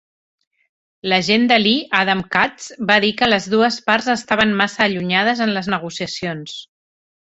L'agent de Lee, Adam Katz, va dir que les dues parts estaven massa allunyades en les negociacions.